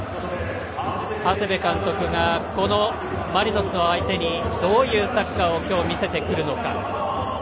長谷部監督がマリノス相手にどういうサッカーを今日、見せてくるのか。